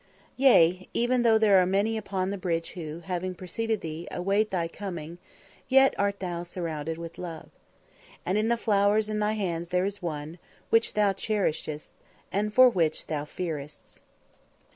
Yea! even though there are many upon the bridge who, having preceded thee, await thy coming, yet art thou surrounded with love. And in the flowers in thy hands is there one which thou cherishest, and for which thou fearest.